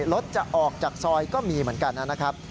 รถจะออกจากซอยก็มีเหมือนกันนะครับ